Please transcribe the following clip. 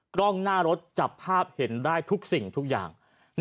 กล้องหน้ารถจับภาพเห็นได้ทุกสิ่งทุกอย่าง